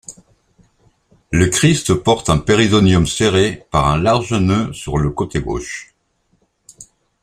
Le Christ porte un périzonium serré par un large nœud sur le côté gauche.